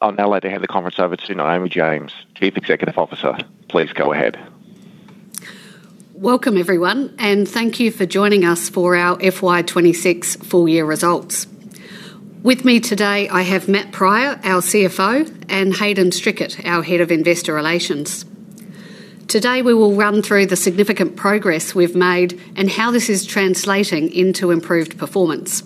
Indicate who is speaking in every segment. Speaker 1: I'll now like to hand the conference over to Naomi James, Chief Executive Officer. Please go ahead.
Speaker 2: Welcome everyone, thank you for joining us for our FY 2026 full-year results. With me today, I have Matt Prior, our CFO, and Hayden Strickett, our Head of Investor Relations. Today we will run through the significant progress we've made and how this is translating into improved performance.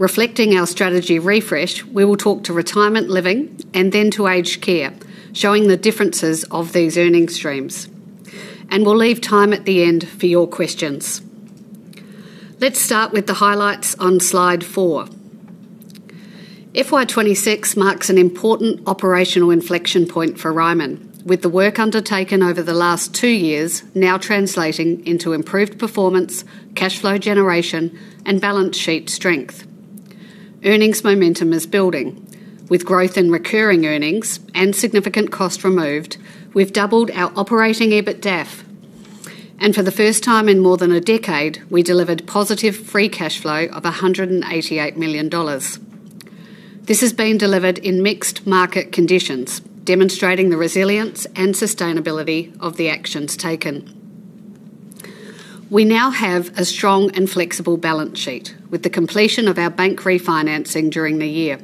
Speaker 2: Reflecting our strategy refresh, we will talk to retirement living and then to aged care, showing the differences of these earning streams. We'll leave time at the end for your questions. Let's start with the highlights on slide four. FY 2026 marks an important operational inflection point for Ryman. With the work undertaken over the last two years now translating into improved performance, cash flow generation, and balance sheet strength. Earnings momentum is building. With growth in recurring earnings and significant cost removed, we've doubled our operating EBITDAF. For the first time in more than a decade, we delivered positive free cash flow of 188 million dollars. This has been delivered in mixed market conditions, demonstrating the resilience and sustainability of the actions taken. We now have a strong and flexible balance sheet, with the completion of our bank refinancing during the year.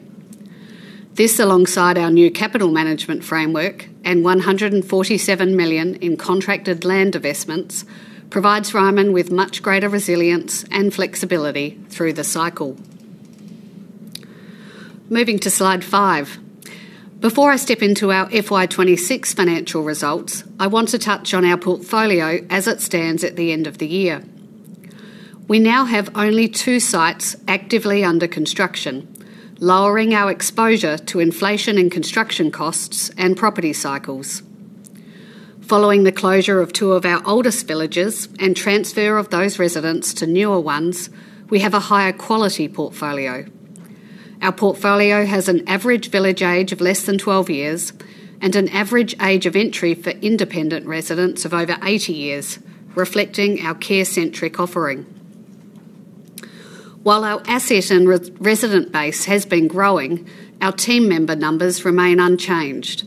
Speaker 2: This, alongside our new capital management framework and 147 million in contracted land divestments, provides Ryman with much greater resilience and flexibility through the cycle. Moving to slide five. Before I step into our FY 2026 financial results, I want to touch on our portfolio as it stands at the end of the year. We now have only two sites actively under construction, lowering our exposure to inflation and construction costs and property cycles. Following the closure of two of our oldest villages and transfer of those residents to newer ones, we have a higher quality portfolio. Our portfolio has an average village age of less than 12 years, and an average age of entry for independent residents of over 80 years, reflecting our care-centric offering. While our asset and resident base has been growing, our team member numbers remain unchanged.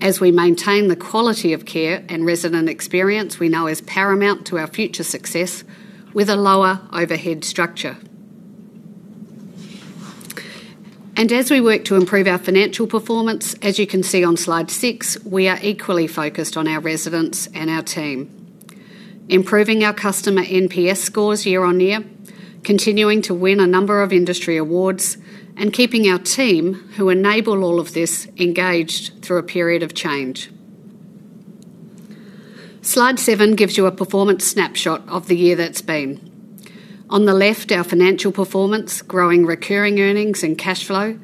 Speaker 2: As we maintain the quality of care and resident experience we know is paramount to our future success with a lower overhead structure. As we work to improve our financial performance, as you can see on slide six, we are equally focused on our residents and our team. Improving our customer NPS scores year-on-year, continuing to win a number of industry awards, and keeping our team, who enable all of this, engaged through a period of change. Slide seven gives you a performance snapshot of the year that's been. On the left, our financial performance, growing recurring earnings and cash flow,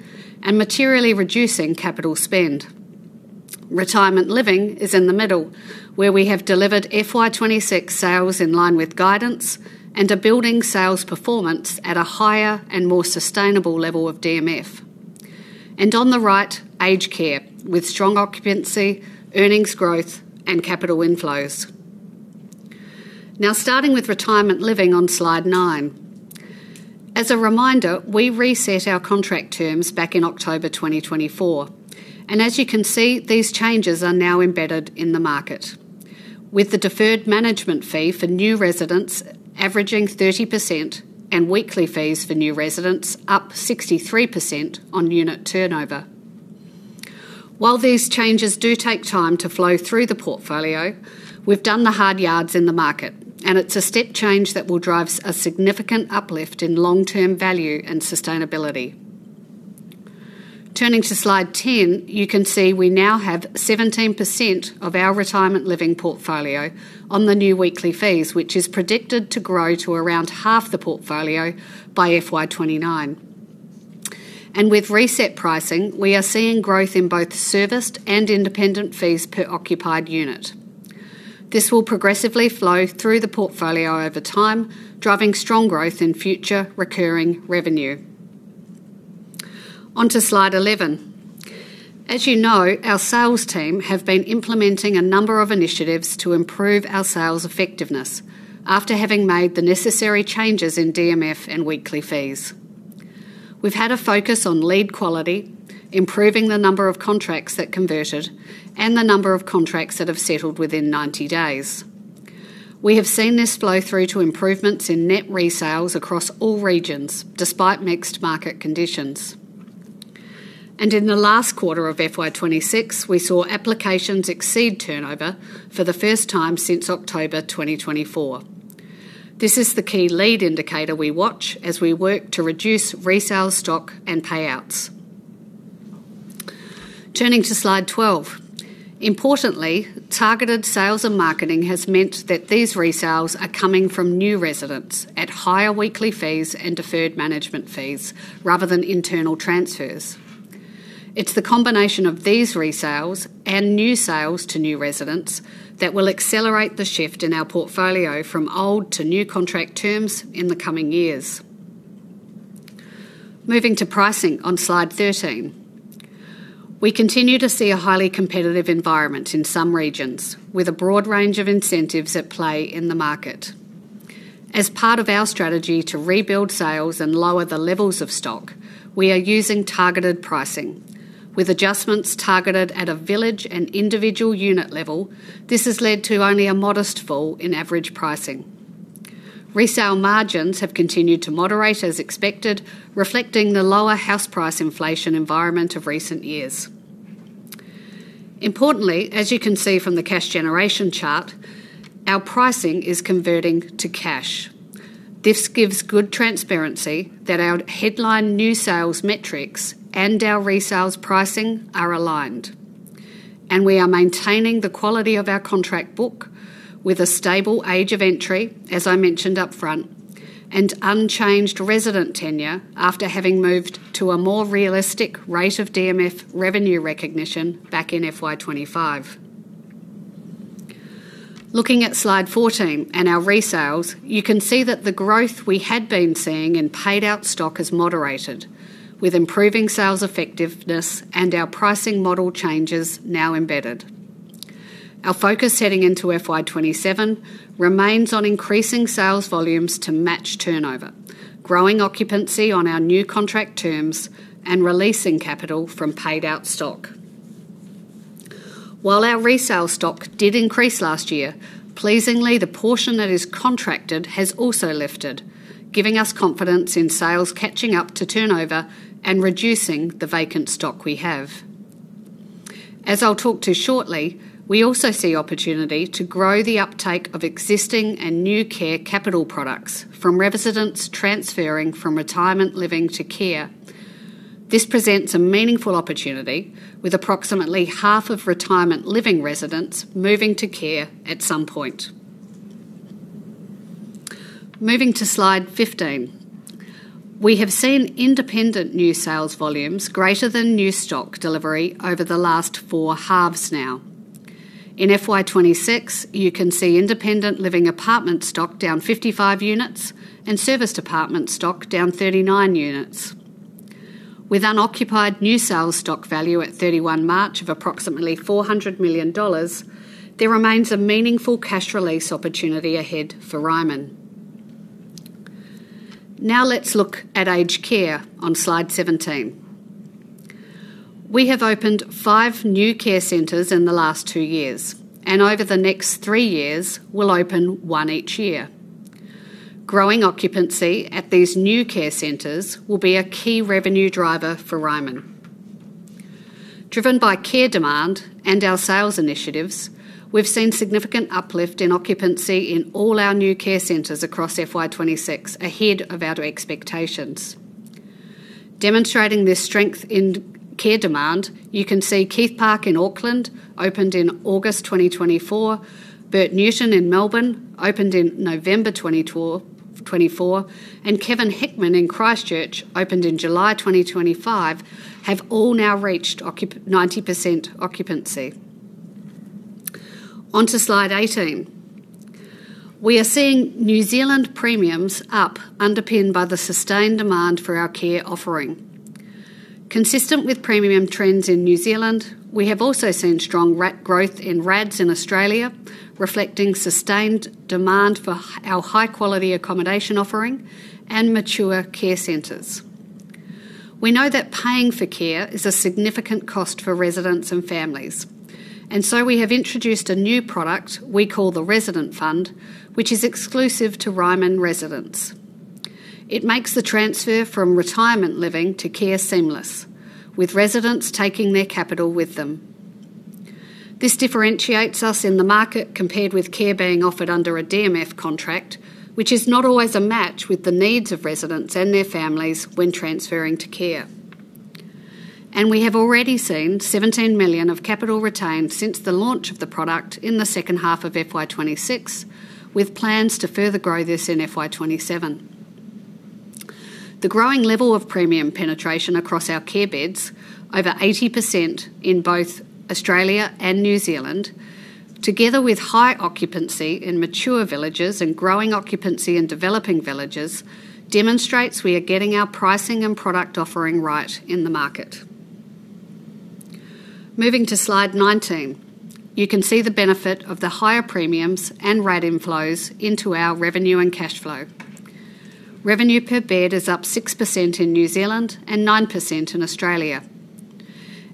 Speaker 2: and materially reducing capital spend. Retirement living is in the middle, where we have delivered FY 2026 sales in line with guidance and are building sales performance at a higher and more sustainable level of DMF. On the right, aged care, with strong occupancy, earnings growth, and capital inflows. Now, starting with retirement living on slide nine. As a reminder, we reset our contract terms back in October 2024, and as you can see, these changes are now embedded in the market. With the deferred management fee for new residents averaging 30% and weekly fees for new residents up 63% on unit turnover. While these changes do take time to flow through the portfolio, we've done the hard yards in the market, and it's a step change that will drive a significant uplift in long-term value and sustainability. Turning to slide 10, you can see we now have 17% of our retirement living portfolio on the new weekly fees, which is predicted to grow to around half the portfolio by FY 2029. With reset pricing, we are seeing growth in both serviced and independent fees per occupied unit. This will progressively flow through the portfolio over time, driving strong growth in future recurring revenue. Onto slide 11. As you know, our sales team have been implementing a number of initiatives to improve our sales effectiveness after having made the necessary changes in DMF and weekly fees. We've had a focus on lead quality, improving the number of contracts that converted, and the number of contracts that have settled within 90 days. We have seen this flow through to improvements in net resales across all regions, despite mixed market conditions. In the last quarter of FY 2026, we saw applications exceed turnover for the first time since October 2024. This is the key lead indicator we watch as we work to reduce resale stock and payouts. Turning to slide 12. Importantly, targeted sales and marketing has meant that these resales are coming from new residents at higher weekly fees and deferred management fees rather than internal transfers. It's the combination of these resales and new sales to new residents that will accelerate the shift in our portfolio from old to new contract terms in the coming years. Moving to pricing on slide 13. We continue to see a highly competitive environment in some regions, with a broad range of incentives at play in the market. As part of our strategy to rebuild sales and lower the levels of stock, we are using targeted pricing. With adjustments targeted at a village and individual unit level, this has led to only a modest fall in average pricing. Resale margins have continued to moderate as expected, reflecting the lower house price inflation environment of recent years. Importantly, as you can see from the cash generation chart, our pricing is converting to cash. This gives good transparency that our headline new sales metrics and our resales pricing are aligned. We are maintaining the quality of our contract book with a stable age of entry, as I mentioned up front, and unchanged resident tenure after having moved to a more realistic rate of DMF revenue recognition back in FY 2025. Looking at slide 14 and our resales, you can see that the growth we had been seeing in paid out stock has moderated, with improving sales effectiveness and our pricing model changes now embedded. Our focus heading into FY 2027 remains on increasing sales volumes to match turnover, growing occupancy on our new contract terms, and releasing capital from paid out stock. While our resale stock did increase last year, pleasingly, the portion that is contracted has also lifted, giving us confidence in sales catching up to turnover and reducing the vacant stock we have. As I'll talk to shortly, we also see opportunity to grow the uptake of existing and new care capital products from residents transferring from retirement living to care. This presents a meaningful opportunity with approximately half of retirement living residents moving to care at some point. Moving to slide 15. We have seen independent new sales volumes greater than new stock delivery over the last four halves now. In FY 2026, you can see independent living apartment stock down 55 units and serviced apartment stock down 39 units. With unoccupied new sales stock value at 31 March of approximately NZD 400 million, there remains a meaningful cash release opportunity ahead for Ryman. Now let's look at aged care on slide 17. We have opened five new care centers in the last two years, and over the next three years, we'll open one each year. Growing occupancy at these new care centers will be a key revenue driver for Ryman. Driven by care demand and our sales initiatives, we've seen significant uplift in occupancy in all our new care centers across FY 2026 ahead of our expectations. Demonstrating the strength in care demand, you can see Keith Park in Auckland, opened in August 2024, Bert Newton in Melbourne, opened in November 2024, and Kevin Hickman in Christchurch, opened in July 2025, have all now reached 90% occupancy. On to slide 18. We are seeing New Zealand premiums up, underpinned by the sustained demand for our care offering. Consistent with premium trends in New Zealand, we have also seen strong growth in RADs in Australia, reflecting sustained demand for our high-quality accommodation offering and mature care centers. We know that paying for care is a significant cost for residents and families, we have introduced a new product we call the Resident Fund, which is exclusive to Ryman residents. It makes the transfer from retirement living to care seamless, with residents taking their capital with them. This differentiates us in the market compared with care being offered under a DMF contract, which is not always a match with the needs of residents and their families when transferring to care. We have already seen 17 million of capital retained since the launch of the product in the second half of FY 2026, with plans to further grow this in FY 2027. The growing level of premium penetration across our care beds, over 80% in both Australia and New Zealand, together with high occupancy in mature villages and growing occupancy in developing villages, demonstrates we are getting our pricing and product offering right in the market. Moving to slide 19. You can see the benefit of the higher premiums and rate inflows into our revenue and cash flow. Revenue per bed is up 6% in New Zealand and 9% in Australia.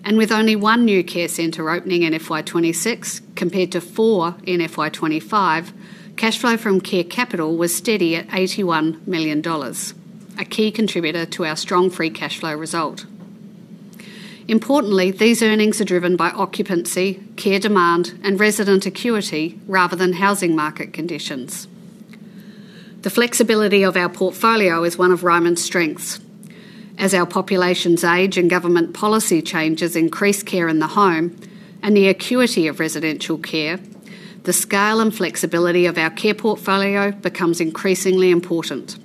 Speaker 2: With only one new care center opening in FY 2026 compared to four in FY 2025, cash flow from care capital was steady at 81 million dollars, a key contributor to our strong free cash flow result. Importantly, these earnings are driven by occupancy, care demand, and resident acuity rather than housing market conditions. The flexibility of our portfolio is one of Ryman's strengths. As our populations age and government policy changes increase care in the home and the acuity of residential care, the scale and flexibility of our care portfolio becomes increasingly important.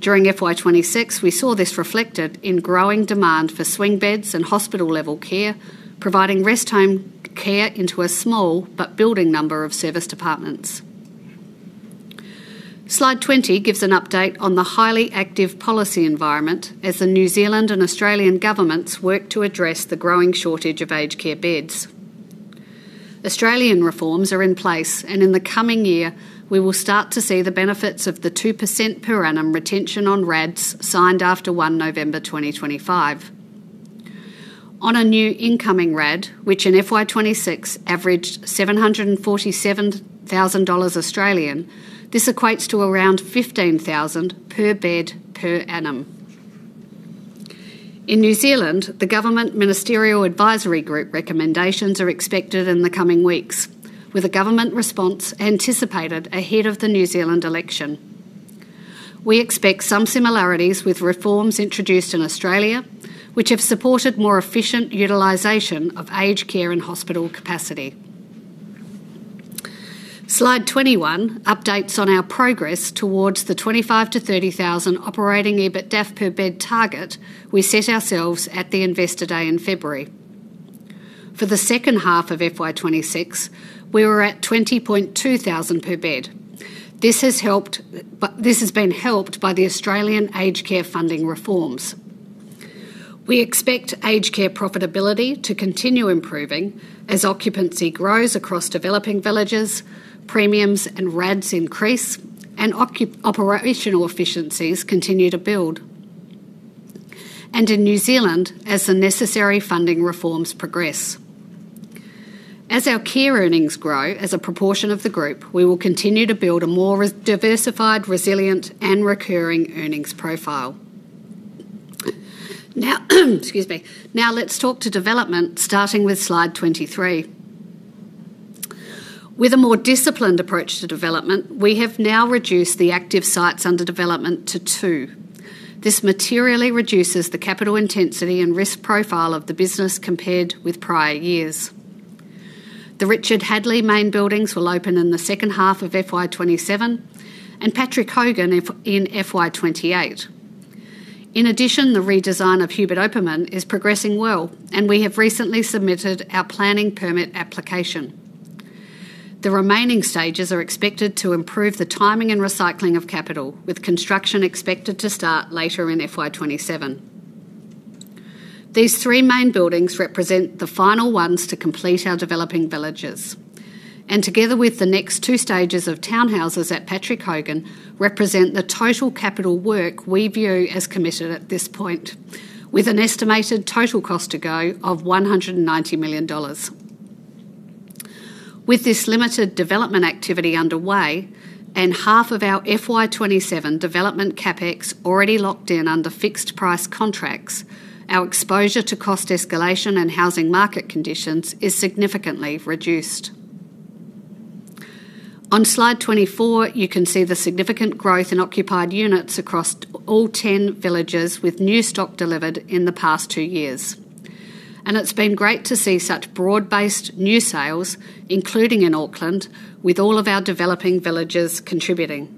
Speaker 2: During FY 2026, we saw this reflected in growing demand for swing beds and hospital-level care, providing rest home care into a small but building number of serviced apartments. Slide 20 gives an update on the highly active policy environment as the New Zealand and Australian governments work to address the growing shortage of aged care beds. Australian reforms are in place, and in the coming year, we will start to see the benefits of the 2% per annum retention on RADs signed after November 1, 2025. On a new incoming RAD, which in FY 2026 averaged 747,000 Australian dollars, this equates to around AUD 15,000 per bed per annum. In New Zealand, the government ministerial advisory group recommendations are expected in the coming weeks, with a government response anticipated ahead of the New Zealand election. We expect some similarities with reforms introduced in Australia, which have supported more efficient utilization of aged care and hospital capacity. Slide 21 updates on our progress towards the 25,000-30,000 operating EBITDAF per bed target we set ourselves at the Investor Day in February. For the second half of FY 2026, we were at 20,200 per bed. This has been helped by the Australian aged care funding reforms. We expect aged care profitability to continue improving as occupancy grows across developing villages, premiums and RADs increase, and operational efficiencies continue to build. In New Zealand, as the necessary funding reforms progress. As our care earnings grow as a proportion of the group, we will continue to build a more diversified, resilient and recurring earnings profile. Excuse me. Now let's talk to development, starting with slide 23. With a more disciplined approach to development, we have now reduced the active sites under development to two. This materially reduces the capital intensity and risk profile of the business compared with prior years. The Richard Hadlee main buildings will open in the second half of FY 2027 and Patrick Hogan in FY 2028. In addition, the redesign of Hubert Opperman is progressing well, and we have recently submitted our planning permit application. The remaining stages are expected to improve the timing and recycling of capital, with construction expected to start later in FY 2027. These three main buildings represent the final ones to complete our developing villages, and together with the next two stages of townhouses at Patrick Hogan, represent the total capital work we view as committed at this point, with an estimated total cost to go of 190 million dollars. With this limited development activity underway and half of our FY 2027 development CapEx already locked in under fixed price contracts, our exposure to cost escalation and housing market conditions is significantly reduced. On slide 24, you can see the significant growth in occupied units across all 10 villages with new stock delivered in the past two years. It's been great to see such broad-based new sales, including in Auckland, with all of our developing villages contributing.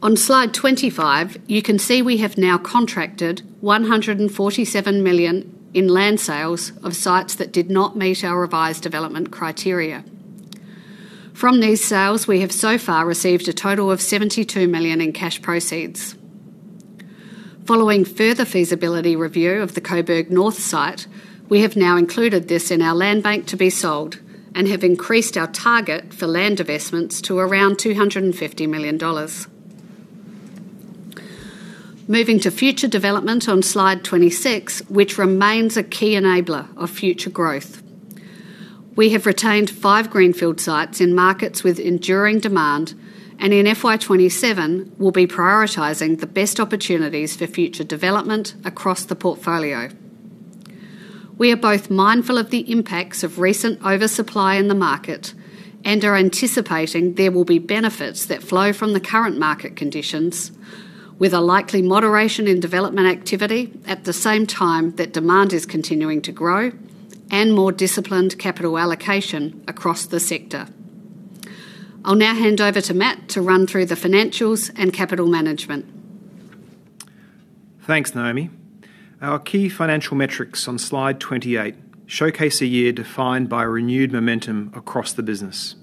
Speaker 2: On slide 25, you can see we have now contracted 147 million in land sales of sites that did not meet our revised development criteria. From these sales, we have so far received a total of 72 million in cash proceeds. Following further feasibility review of the Coburg North site, we have now included this in our land bank to be sold and have increased our target for land divestments to around 250 million dollars. Moving to future development on slide 26, which remains a key enabler of future growth. We have retained five greenfield sites in markets with enduring demand, in FY 2027, we'll be prioritizing the best opportunities for future development across the portfolio. We are both mindful of the impacts of recent oversupply in the market and are anticipating there will be benefits that flow from the current market conditions, with a likely moderation in development activity at the same time that demand is continuing to grow and more disciplined capital allocation across the sector. I'll now hand over to Matt to run through the financials and capital management.
Speaker 3: Thanks, Naomi. Our key financial metrics on slide 28 showcase a year defined by renewed momentum across the business.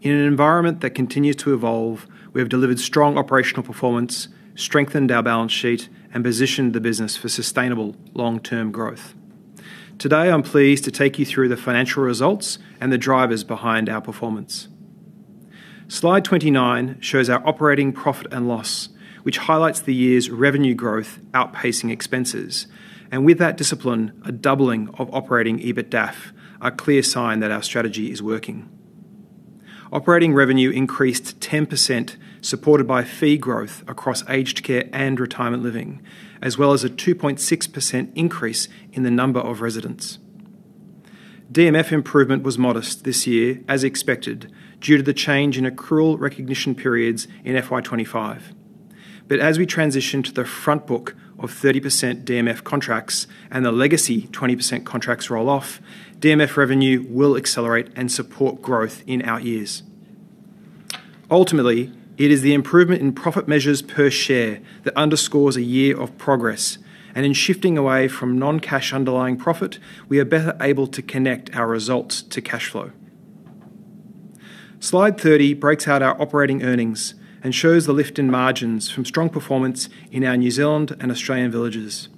Speaker 3: In an environment that continues to evolve, we have delivered strong operational performance, strengthened our balance sheet, and positioned the business for sustainable long-term growth. Today, I'm pleased to take you through the financial results and the drivers behind our performance. Slide 29 shows our operating profit and loss, which highlights the year's revenue growth outpacing expenses. With that discipline, a doubling of operating EBITDAF, a clear sign that our strategy is working. Operating revenue increased to 10%, supported by fee growth across aged care and retirement living, as well as a 2.6% increase in the number of residents. DMF improvement was modest this year, as expected, due to the change in accrual recognition periods in FY 2025. As we transition to the front book of 30% DMF contracts and the legacy 20% contracts roll-off, DMF revenue will accelerate and support growth in out years. Ultimately, it is the improvement in profit measures per share that underscores a year of progress. In shifting away from non-cash underlying profit, we are better able to connect our results to cash flow. Slide 30 breaks out our operating earnings and shows the lift in margins from strong performance in our New Zealand and Australian villages.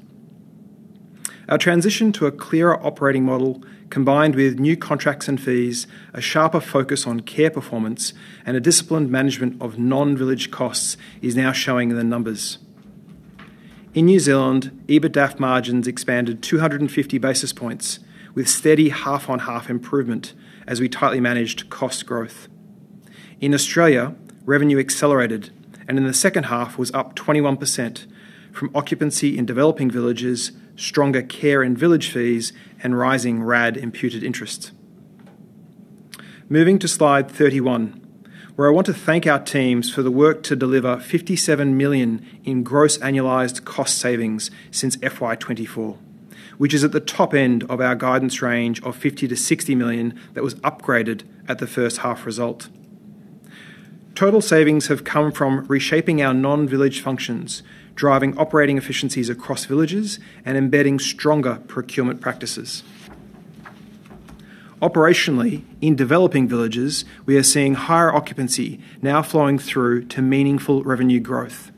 Speaker 3: Our transition to a clearer operating model, combined with new contracts and fees, a sharper focus on care performance, and a disciplined management of non-village costs, is now showing in the numbers. In New Zealand, EBITDAF margins expanded 250 basis points with steady half-on-half improvement as we tightly managed cost growth. In Australia, revenue accelerated, in the second half was up 21% from occupancy in developing villages, stronger care and village fees, and rising RAD imputed interest. Moving to slide 31, where I want to thank our teams for the work to deliver 57 million in gross annualized cost savings since FY 2024, which is at the top end of our guidance range of 50 million-60 million that was upgraded at the first half result. Total savings have come from reshaping our non-village functions, driving operating efficiencies across villages, and embedding stronger procurement practices. Operationally, in developing villages, we are seeing higher occupancy now flowing through to meaningful revenue growth.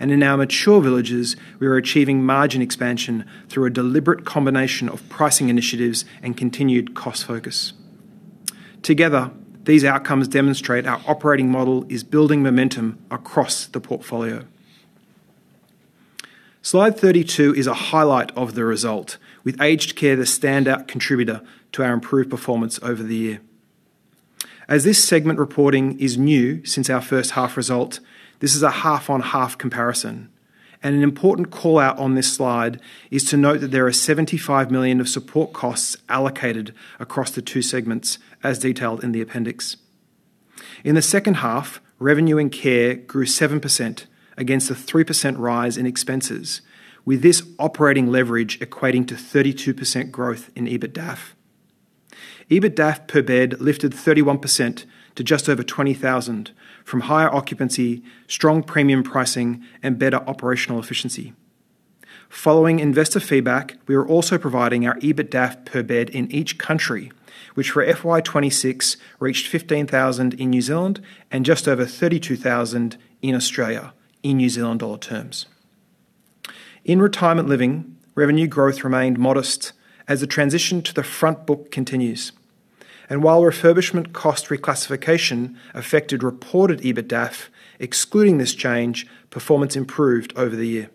Speaker 3: In our mature villages, we are achieving margin expansion through a deliberate combination of pricing initiatives and continued cost focus. Together, these outcomes demonstrate our operating model is building momentum across the portfolio. Slide 32 is a highlight of the result with Aged Care the standout contributor to our improved performance over the year. As this segment reporting is new since our first half result, this is a half-on-half comparison, and an important call-out on this slide is to note that there are 75 million of support costs allocated across the two segments, as detailed in the appendix. In the second half, revenue and care grew 7% against a 3% rise in expenses. With this operating leverage equating to 32% growth in EBITDAF. EBITDAF per bed lifted 31% to just over 20,000 from higher occupancy, strong premium pricing, and better operational efficiency. Following investor feedback, we are also providing our EBITDAF per bed in each country, which for FY 2026 reached 15,000 in New Zealand and just over 32,000 in Australia in New Zealand dollar terms. In Retirement Living, revenue growth remained modest as the transition to the front book continues. While refurbishment cost reclassification affected reported EBITDAF, excluding this change, performance improved over the year.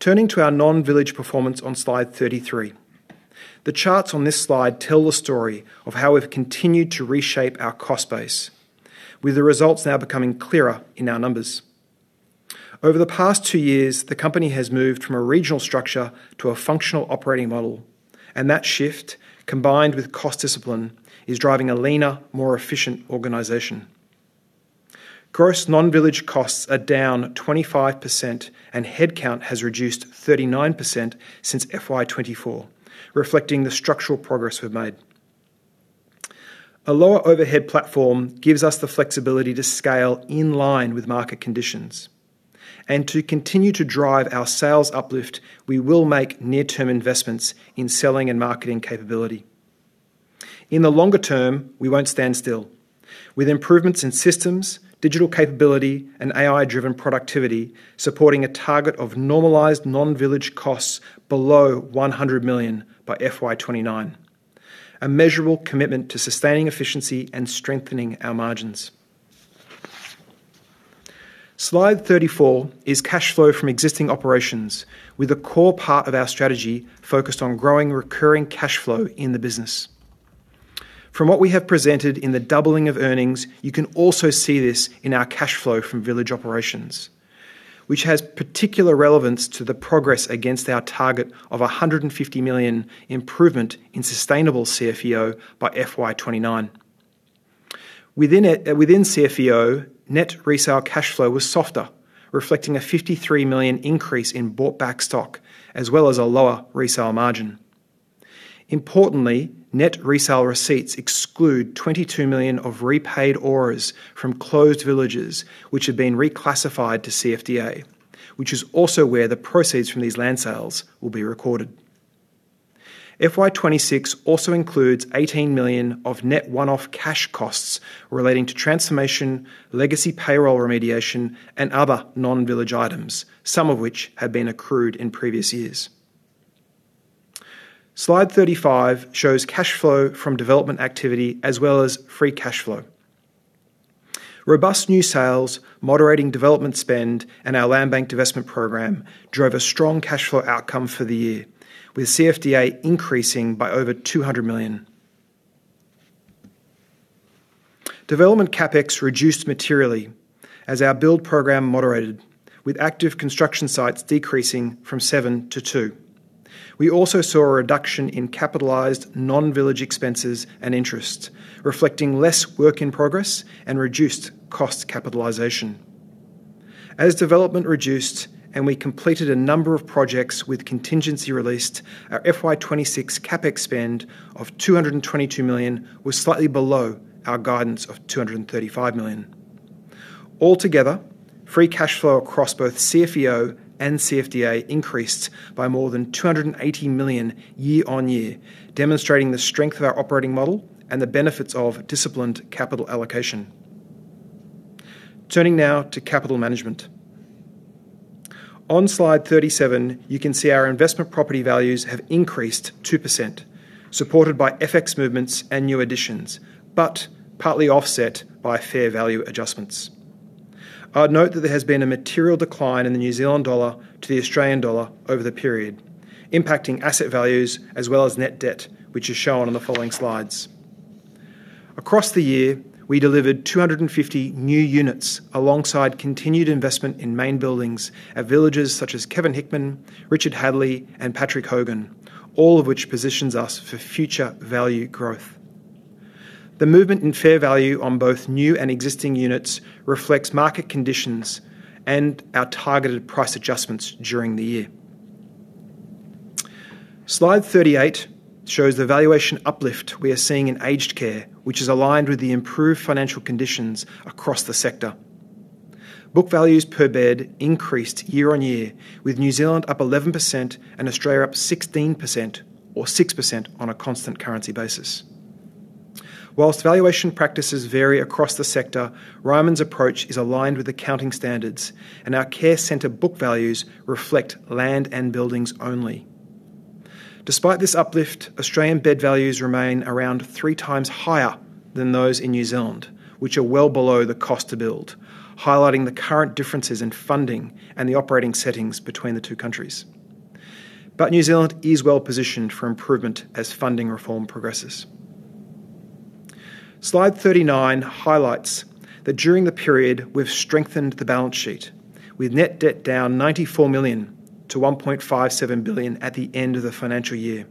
Speaker 3: Turning to our non-village performance on slide 33. The charts on this slide tell the story of how we've continued to reshape our cost base, with the results now becoming clearer in our numbers. Over the past two years, the company has moved from a regional structure to a functional operating model, and that shift, combined with cost discipline, is driving a leaner, more efficient organization. Gross non-village costs are down 25% and headcount has reduced 39% since FY 2024, reflecting the structural progress we've made. A lower overhead platform gives us the flexibility to scale in line with market conditions. To continue to drive our sales uplift, we will make near-term investments in selling and marketing capability. In the longer term, we won't stand still. With improvements in systems, digital capability, and AI-driven productivity supporting a target of normalized non-village costs below 100 million by FY 2029, a measurable commitment to sustaining efficiency and strengthening our margins. Slide 34 is cash flow from existing operations with a core part of our strategy focused on growing recurring cash flow in the business. From what we have presented in the doubling of earnings, you can also see this in our cash flow from village operations, which has particular relevance to the progress against our target of 150 million improvement in sustainable CFEO by FY 2029. Within CFEO, net resale cash flow was softer, reflecting a 53 million increase in bought-back stock, as well as a lower resale margin. Importantly, net resale receipts exclude 22 million of repaid ORAs from closed villages, which have been reclassified to CFDA. Which is also where the proceeds from these land sales will be recorded. FY 2026 also includes 18 million of net one-off cash costs relating to transformation, legacy payroll remediation, and other non-village items, some of which have been accrued in previous years. Slide 35 shows cash flow from development activity as well as free cash flow. Robust new sales, moderating development spend, and our land bank divestment program drove a strong cash flow outcome for the year, with CFDA increasing by over 200 million. Development CapEx reduced materially as our build program moderated, with active construction sites decreasing from seven to two. We also saw a reduction in capitalized non-village expenses and interest, reflecting less work in progress and reduced cost capitalization. As development reduced and we completed a number of projects with contingency released, our FY 2026 CapEx spend of 222 million was slightly below our guidance of 235 million. Altogether, free cash flow across both CFEO and CFDA increased by more than 280 million year-on-year, demonstrating the strength of our operating model and the benefits of disciplined capital allocation. Turning now to capital management. On slide 37, you can see our investment property values have increased 2%, supported by FX movements and new additions, but partly offset by fair value adjustments. I'd note that there has been a material decline in the New Zealand dollar to the Australian dollar over the period, impacting asset values as well as net debt, which is shown on the following slides. Across the year, we delivered 250 new units alongside continued investment in main buildings at villages such as Kevin Hickman, Richard Hadlee, and Patrick Hogan, all of which positions us for future value growth. The movement in fair value on both new and existing units reflects market conditions and our targeted price adjustments during the year. Slide 38 shows the valuation uplift we are seeing in aged care, which is aligned with the improved financial conditions across the sector. Book values per bed increased year-on-year, with New Zealand up 11% and Australia up 16%, or 6% on a constant currency basis. Valuation practices vary across the sector, Ryman's approach is aligned with accounting standards, and our care center book values reflect land and buildings only. Despite this uplift, Australian bed values remain around three times higher than those in New Zealand, which are well below the cost to build, highlighting the current differences in funding and the operating settings between the two countries. New Zealand is well-positioned for improvement as funding reform progresses. Slide 39 highlights that during the period we've strengthened the balance sheet, with net debt down 94 million to 1.57 billion at the end of the financial year.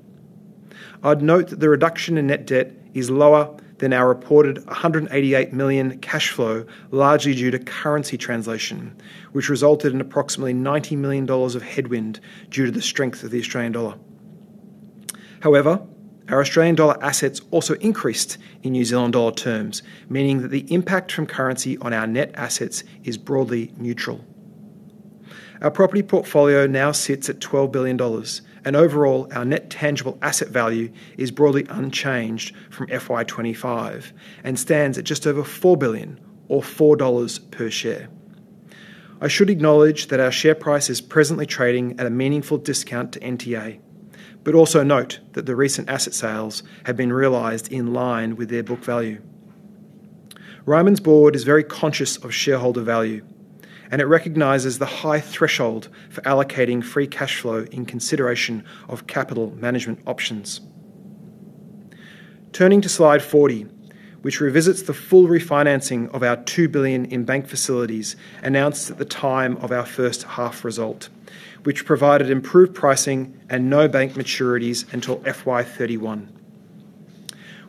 Speaker 3: I'd note that the reduction in net debt is lower than our reported 188 million cash flow, largely due to currency translation, which resulted in approximately 90 million dollars of headwind due to the strength of the Australian dollar. Our Australian dollar assets also increased in New Zealand dollar terms, meaning that the impact from currency on our net assets is broadly neutral. Our property portfolio now sits at 12 billion dollars. Overall, our net tangible asset value is broadly unchanged from FY 2025 and stands at just over 4 billion or 4 dollars per share. I should acknowledge that our share price is presently trading at a meaningful discount to NTA. Also note that the recent asset sales have been realized in line with their book value. Ryman's board is very conscious of shareholder value. It recognizes the high threshold for allocating free cash flow in consideration of capital management options. Turning to slide 40, which revisits the full refinancing of our 2 billion in bank facilities announced at the time of our first half result, which provided improved pricing and no bank maturities until FY 2031.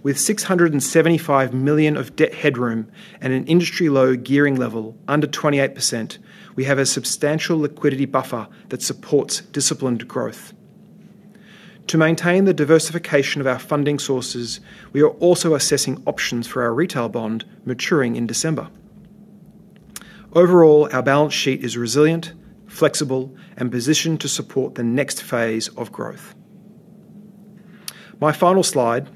Speaker 3: With 675 million of debt headroom and an industry-low gearing level under 28%, we have a substantial liquidity buffer that supports disciplined growth. To maintain the diversification of our funding sources, we are also assessing options for our retail bond maturing in December. Overall, our balance sheet is resilient, flexible, and positioned to support the next phase of growth. My final slide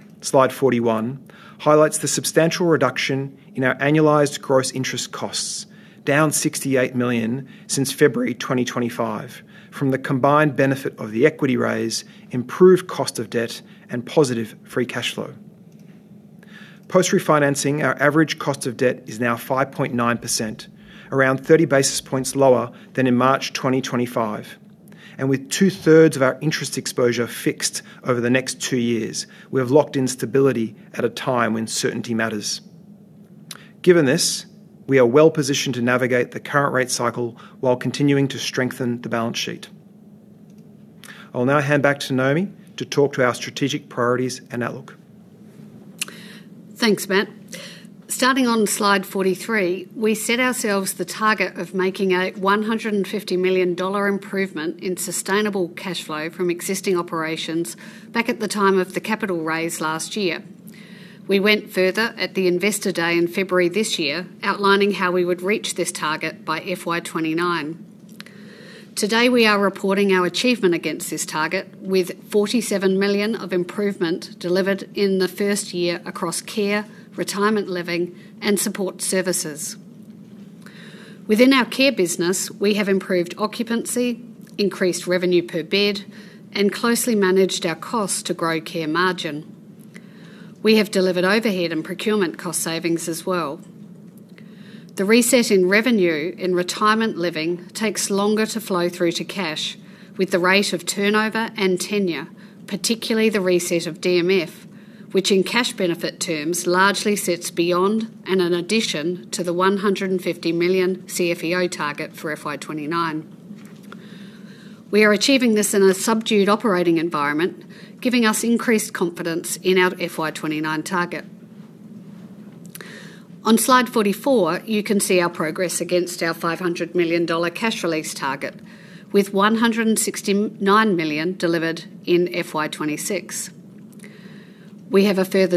Speaker 3: 41, highlights the substantial reduction in our annualized gross interest costs, down 68 million since February 2025, from the combined benefit of the equity raise, improved cost of debt, and positive free cash flow. Post-refinancing, our average cost of debt is now 5.9%, around 30 basis points lower than in March 2025. With 2/3 of our interest exposure fixed over the next two years, we have locked in stability at a time when certainty matters. Given this, we are well-positioned to navigate the current rate cycle while continuing to strengthen the balance sheet. I'll now hand back to Naomi to talk to our strategic priorities and outlook.
Speaker 2: Thanks, Matt. Starting on slide 43, we set ourselves the target of making a 150 million dollar improvement in sustainable cash flow from existing operations back at the time of the capital raise last year. We went further at the Investor Day in February this year, outlining how we would reach this target by FY 2029. Today, we are reporting our achievement against this target, with 47 million of improvement delivered in the first year across care, retirement living, and support services. Within our care business, we have improved occupancy, increased revenue per bed, and closely managed our costs to grow care margin. We have delivered overhead and procurement cost savings as well. The reset in revenue in retirement living takes longer to flow through to cash with the rate of turnover and tenure, particularly the reset of DMF, which in cash benefit terms largely sits beyond and in addition to the 150 million CFEO target for FY 2029. We are achieving this in a subdued operating environment, giving us increased confidence in our FY 2029 target. On slide 44, you can see our progress against our 500 million dollar cash release target, with 169 million delivered in FY 2026. We have a further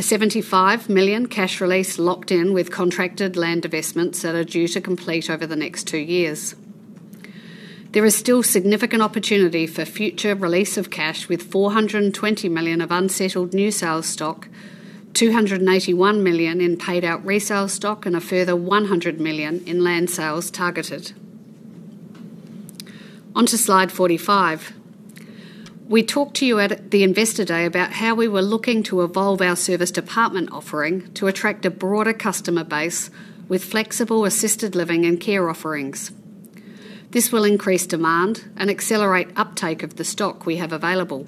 Speaker 2: 75 million cash release locked in with contracted land investments that are due to complete over the next two years. There is still significant opportunity for future release of cash with 420 million of unsettled new sales stock, 281 million in paid out resale stock, and a further 100 million in land sales targeted. On to slide 45. We talked to you at the Investor Day about how we were looking to evolve our serviced apartment offering to attract a broader customer base with flexible assisted living and care offerings. This will increase demand and accelerate uptake of the stock we have available.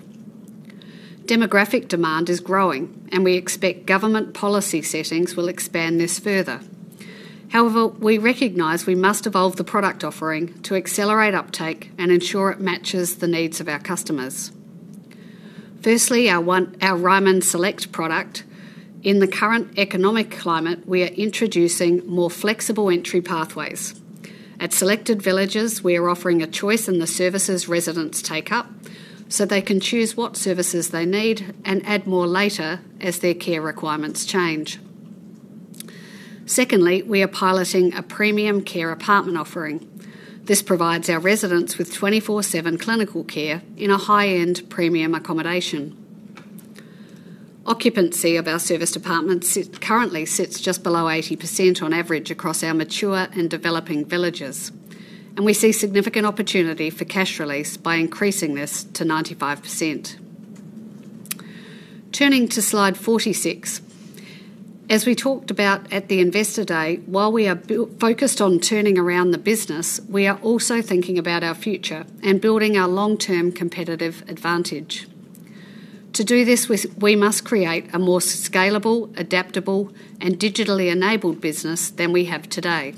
Speaker 2: Demographic demand is growing, and we expect government policy settings will expand this further. However, we recognize we must evolve the product offering to accelerate uptake and ensure it matches the needs of our customers. Firstly, our Ryman Select product. In the current economic climate, we are introducing more flexible entry pathways. At selected villages, we are offering a choice in the services residents take up, so they can choose what services they need and add more later as their care requirements change. Secondly, we are piloting a premium care apartment offering. This provides our residents with 24/7 clinical care in a high-end premium accommodation. Occupancy of our serviced apartments currently sits just below 80% on average across our mature and developing villages. We see significant opportunity for cash release by increasing this to 95%. Turning to slide 46. As we talked about at the Investor Day, while we are focused on turning around the business, we are also thinking about our future and building our long-term competitive advantage. To do this, we must create a more scalable, adaptable, and digitally enabled business than we have today.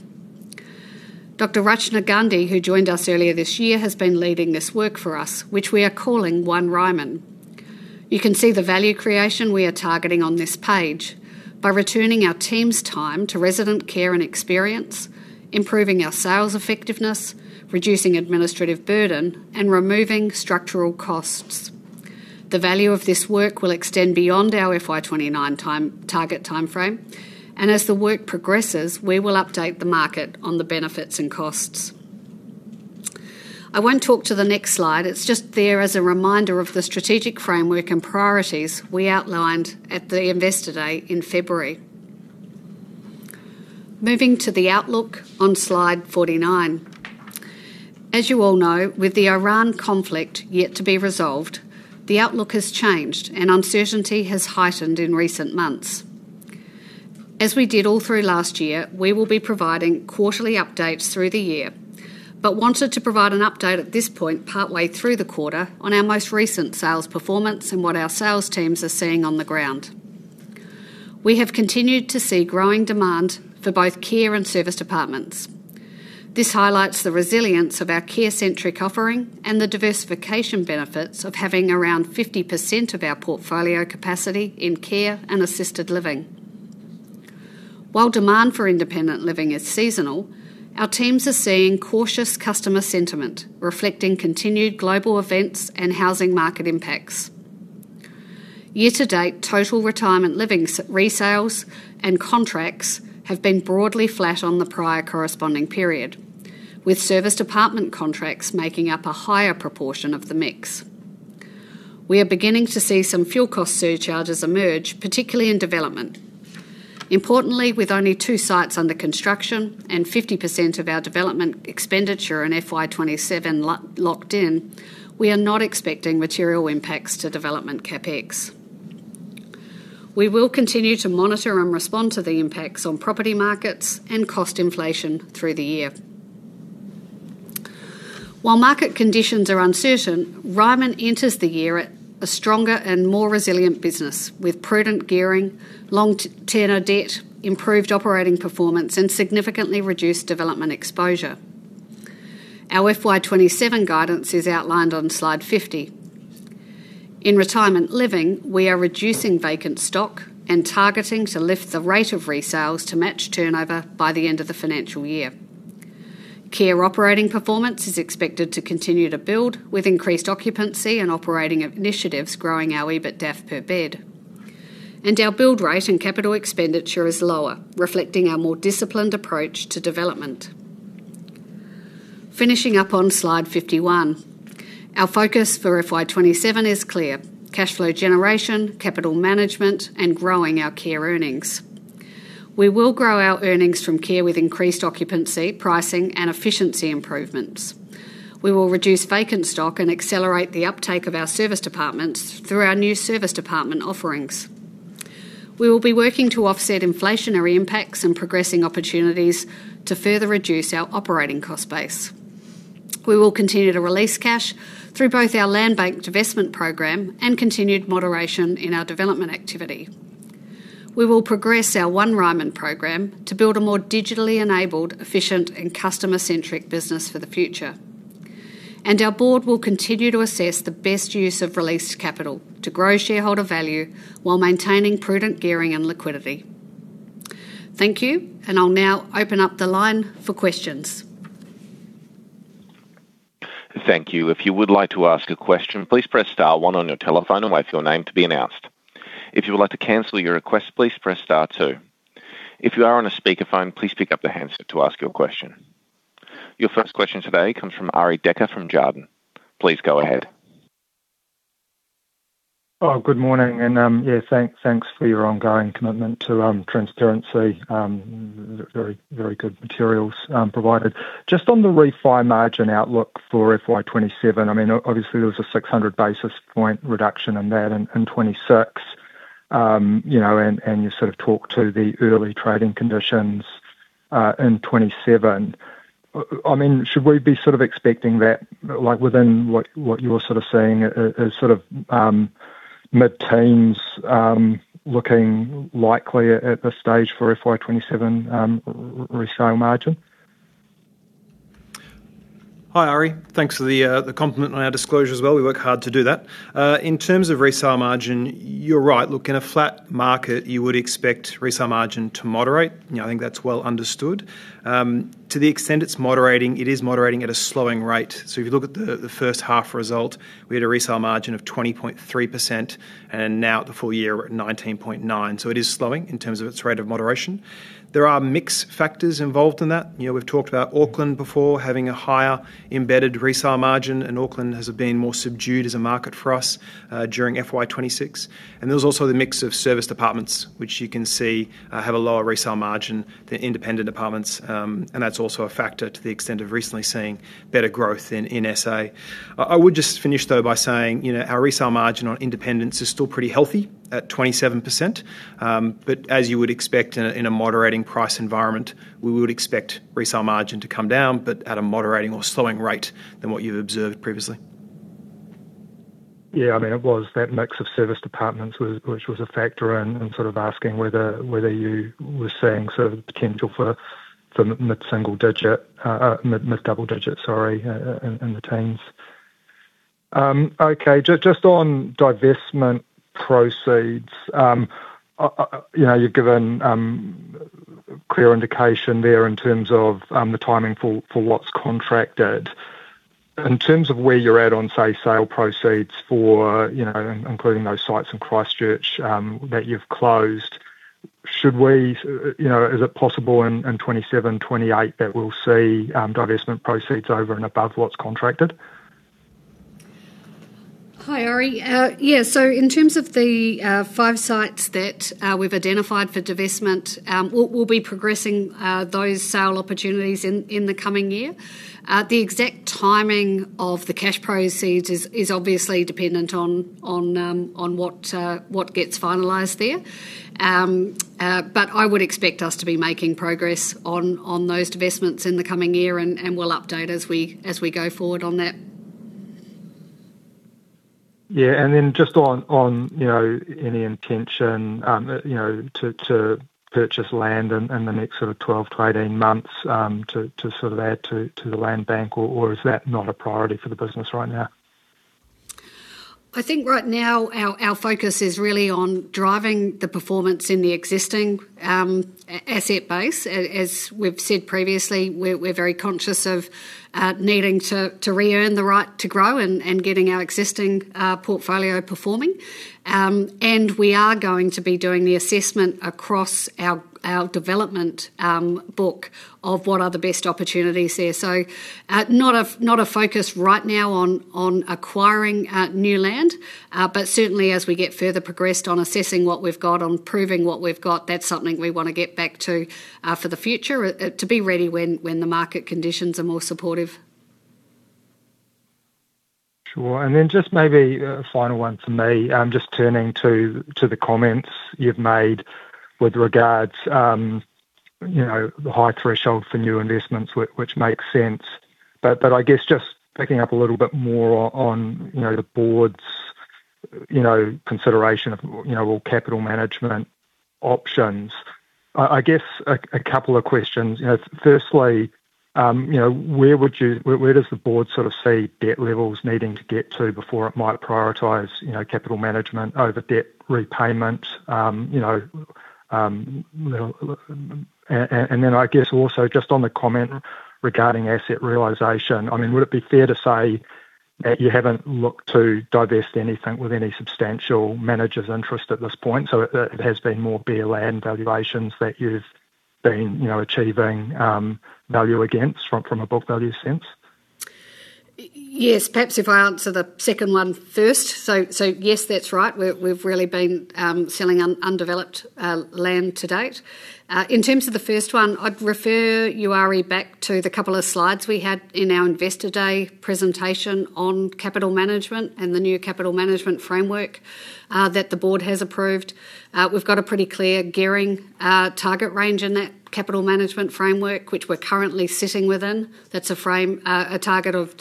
Speaker 2: Dr. Rachna Gandhi, who joined us earlier this year, has been leading this work for us, which we are calling One Ryman. You can see the value creation we are targeting on this page by returning our team's time to resident care and experience, improving our sales effectiveness, reducing administrative burden, and removing structural costs. The value of this work will extend beyond our FY 2029 target timeframe, and as the work progresses, we will update the market on the benefits and costs. I won't talk to the next slide. It's just there as a reminder of the strategic framework and priorities we outlined at the Investor Day in February. Moving to the outlook on slide 49. As you all know, with the Iran conflict yet to be resolved, the outlook has changed and uncertainty has heightened in recent months. As we did all through last year, we will be providing quarterly updates through the year, but wanted to provide an update at this point, partway through the quarter, on our most recent sales performance and what our sales teams are seeing on the ground. We have continued to see growing demand for both care and serviced apartments. This highlights the resilience of our care-centric offering and the diversification benefits of having around 50% of our portfolio capacity in care and assisted living. While demand for independent living is seasonal, our teams are seeing cautious customer sentiment, reflecting continued global events and housing market impacts. Year-to-date, total retirement livings, resales, and contracts have been broadly flat on the prior corresponding period, with serviced apartment contracts making up a higher proportion of the mix. We are beginning to see some fuel cost surcharges emerge, particularly in development. Importantly, with only two sites under construction and 50% of our development expenditure in FY 2027 locked in, we are not expecting material impacts to development CapEx. We will continue to monitor and respond to the impacts on property markets and cost inflation through the year. While market conditions are uncertain, Ryman enters the year a stronger and more resilient business with prudent gearing, long tenure debt, improved operating performance, and significantly reduced development exposure. Our FY 2027 guidance is outlined on slide 50. In retirement living, we are reducing vacant stock and targeting to lift the rate of resales to match turnover by the end of the financial year. Care operating performance is expected to continue to build with increased occupancy and operating initiatives growing our EBITDAF per bed. Our build rate and capital expenditure is lower, reflecting our more disciplined approach to development. Finishing up on slide 51. Our focus for FY 2027 is clear: cash flow generation, capital management, and growing our care earnings. We will grow our earnings from care with increased occupancy, pricing, and efficiency improvements. We will reduce vacant stock and accelerate the uptake of our serviced apartments through our new serviced apartment offerings. We will be working to offset inflationary impacts and progressing opportunities to further reduce our operating cost base. We will continue to release cash through both our land bank divestment program and continued moderation in our development activity. We will progress our One Ryman program to build a more digitally enabled, efficient, and customer-centric business for the future. Our board will continue to assess the best use of released capital to grow shareholder value while maintaining prudent gearing and liquidity. Thank you, and I will now open up the line for questions.
Speaker 1: Thank you. If you would like to ask a question, please press star one on your telephone and wait for your name to be announced. If you'd like to cancel your request, please press star two. If you are on a speakerphone, please pick up the handset to ask your question. Your first question today comes from Arie Dekker from Jarden. Please go ahead.
Speaker 4: Good morning. Thanks for your ongoing commitment to transparency. Very good materials provided. Just on the refi margin outlook for FY 2027, obviously there was a 600 basis point reduction in that in 2026. You sort of talked to the early trading conditions in 2027. Should we be expecting that within what you're saying as mid teens looking likely at this stage for FY 2027 resale margin?
Speaker 3: Hi, Arie. Thanks for the compliment and our disclosure as well. We work hard to do that. In terms of resale margin, you're right. Look, in a flat market, you would expect resale margin to moderate, and I think that's well understood. To the extent it's moderating, it is moderating at a slowing rate. If you look at the first half result, we had a resale margin of 20.3%, and now at the full-year we're at 19.9%. It is slowing in terms of its rate of moderation. There are mixed factors involved in that. We've talked about Auckland before having a higher embedded resale margin, and Auckland has been more subdued as a market for us during FY 2026. There's also the mix of serviced apartments, which you can see have a lower resale margin than independent apartments. That's also a factor to the extent of recently seeing better growth in NSA. I would just finish, though, by saying our resale margin on independents is still pretty healthy at 27%. As you would expect in a moderating price environment, we would expect resale margin to come down, but at a moderating or slowing rate than what you've observed previously.
Speaker 4: Yeah. It was that mix of serviced apartments which was a factor in asking whether you were seeing potential for mid-double digit, sorry, in the teens. Okay. Just on divestment proceeds. You've given clear indication there in terms of the timing for what's contracted. In terms of where you're at on, say, sale proceeds including those sites in Christchurch that you've closed. Is it possible in 2027, 2028 that we'll see divestment proceeds over and above what's contracted?
Speaker 2: Hi, Arie. Yeah. In terms of the five sites that we've identified for divestment, we'll be progressing those sale opportunities in the coming year. The exact timing of the cash proceeds is obviously dependent on what gets finalized there. I would expect us to be making progress on those divestments in the coming year, and we'll update as we go forward on that.
Speaker 4: Yeah. Then just on any intention to purchase land in the next 12-18 months to add to the land bank, or is that not a priority for the business right now?
Speaker 2: I think right now our focus is really on driving the performance in the existing asset base. As we've said previously, we're very conscious of needing to re-earn the right to grow and getting our existing portfolio performing. We are going to be doing the assessment across our development book of what are the best opportunities there. Not a focus right now on acquiring new land. Certainly as we get further progressed on assessing what we've got, on proving what we've got, that's something we want to get back to for the future to be ready when the market conditions are more supportive.
Speaker 4: Sure. Just maybe a final one from me. Just turning to the comments you've made with regards the high threshold for new investments, which makes sense. I guess just picking up a little bit more on the board's consideration of capital management options. I guess two questions. Firstly, where does the board sort of see debt levels needing to get to before it might prioritize capital management over debt repayment? I guess also just on the comment regarding asset realization. Would it be fair to say that you haven't looked to divest anything with any substantial manager's interest at this point, so it has been more bare land valuations that you've been achieving value against from a book value sense?
Speaker 2: Yes. Perhaps if I answer the second one first. Yes, that's right. We've really been selling undeveloped land to date. In terms of the first one, I'd refer you, Arie, back to the couple of slides we had in our Investor Day presentation on capital management and the new capital management framework that the board has approved. We've got a pretty clear gearing target range in that capital management framework, which we're currently sitting within. That's a target of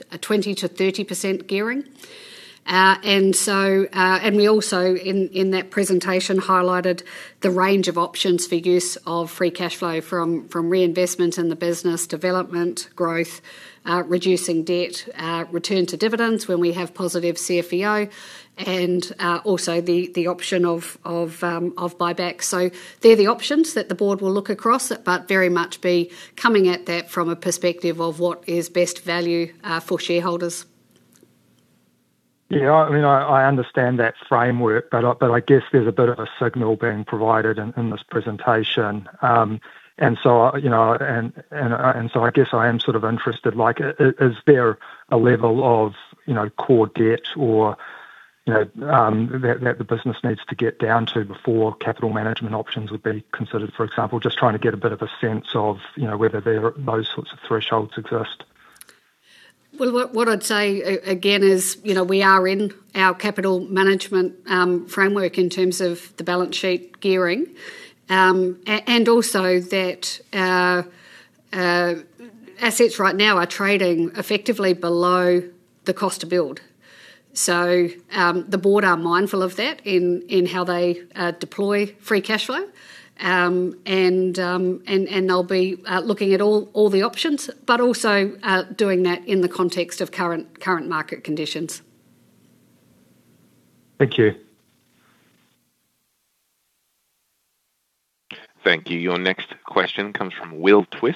Speaker 2: 20%-30% gearing. We also in that presentation highlighted the range of options for use of free cash flow from reinvestment in the business, development, growth, reducing debt, return to dividends when we have positive CFEO, and also the option of buyback. They're the options that the board will look across, but very much be coming at that from a perspective of what is best value for shareholders.
Speaker 4: Yeah, I understand that framework, but I guess there's a bit of a signal being provided in this presentation. I guess I am sort of interested, is there a level of core debt that the business needs to get down to before capital management options would be considered, for example? Just trying to get a bit of a sense of whether those sorts of thresholds exist.
Speaker 2: Well, what I'd say, again, is we are in our capital management framework in terms of the balance sheet gearing. Also that assets right now are trading effectively below the cost to build. The board are mindful of that in how they deploy free cash flow. They'll be looking at all the options, but also doing that in the context of current market conditions.
Speaker 4: Thank you.
Speaker 1: Thank you. Your next question comes from Will Twiss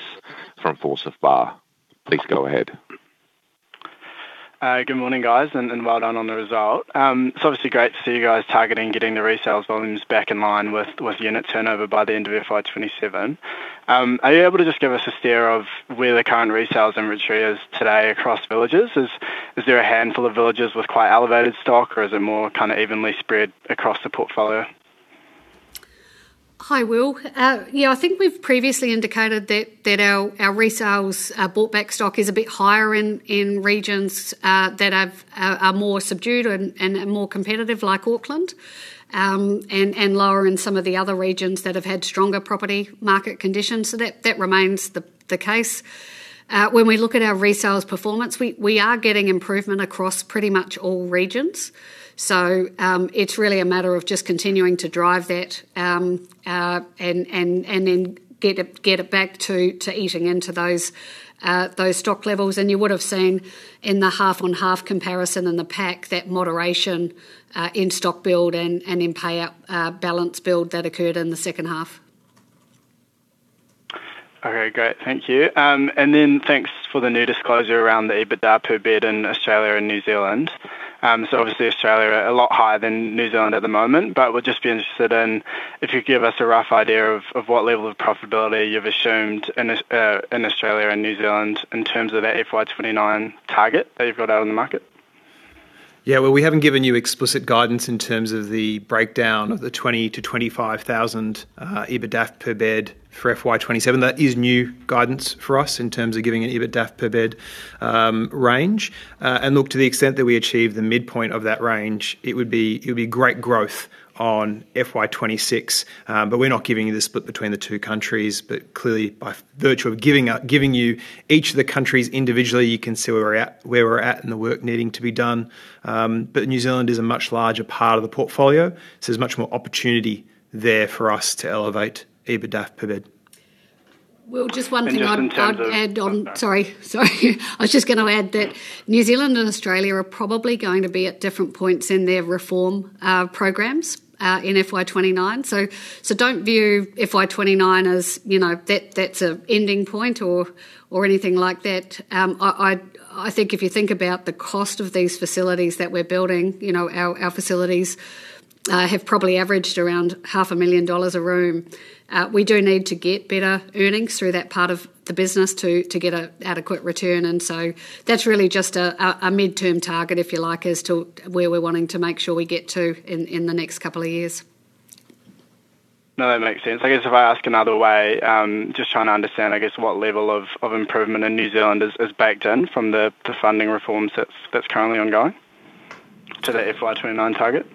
Speaker 1: from Forsyth Barr. Please go ahead.
Speaker 5: Good morning, guys. Well done on the result. It's obviously great to see you guys targeting getting the resales volumes back in line with unit turnover by the end of FY 2027. Are you able to just give us a steer of where the current resales inventory is today across villages? Is there a handful of villages with quite elevated stock, or is it more kind of evenly spread across the portfolio?
Speaker 2: Hi, Will. Yeah, I think we've previously indicated that our resales bought back stock is a bit higher in regions that are more subdued and more competitive, like Auckland, and lower in some of the other regions that have had stronger property market conditions. That remains the case. When we look at our resales performance, we are getting improvement across pretty much all regions. It's really a matter of just continuing to drive that, and then get it back to eating into those stock levels. You would have seen in the half-on-half comparison in the pack that moderation in stock build and in pay-out balance build that occurred in the second half.
Speaker 5: Okay, great. Thank you. Thanks for the new disclosure around the EBITDA per bed in Australia and New Zealand. Obviously Australia are a lot higher than New Zealand at the moment, but would just be interested in if you could give us a rough idea of what level of profitability you've assumed in Australia and New Zealand in terms of that FY 2029 target that you've got out in the market.
Speaker 3: Yeah, well, we haven't given you explicit guidance in terms of the breakdown of the 20,000-25,000 EBITDAF per bed for FY 2027. That is new guidance for us in terms of giving an EBITDA per bed range. Look, to the extent that we achieve the midpoint of that range, it would be great growth on FY 2026. We're not giving you the split between the two countries. Clearly, by virtue of giving you each of the countries individually, you can see where we're at and the work needing to be done. New Zealand is a much larger part of the portfolio, so there's much more opportunity there for us to elevate EBITDA per bed.
Speaker 2: Will, just one thing I'd add on.
Speaker 5: And just in terms of-
Speaker 2: Sorry. I was just going to add that New Zealand and Australia are probably going to be at different points in their reform programs in FY 2029. Don't view FY 2029 as that's an ending point or anything like that. I think if you think about the cost of these facilities that we're building, our facilities have probably averaged around half a million dollars a room. We do need to get better earnings through that part of the business to get an adequate return. That's really just a midterm target, if you like, as to where we're wanting to make sure we get to in the next couple of years.
Speaker 5: No, that makes sense. I guess if I ask another way, just trying to understand, I guess, what level of improvement in New Zealand is baked in from the funding reforms that's currently ongoing to the FY 2029 target?